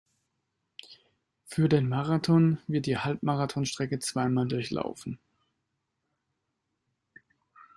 Für den Marathon wird die Halbmarathonstrecke zweimal durchlaufen.